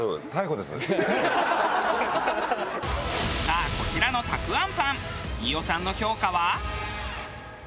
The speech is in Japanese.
さあこちらのたくあんパン飯尾さんの評価は？